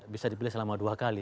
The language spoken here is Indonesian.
bisa dipilih selama dua kali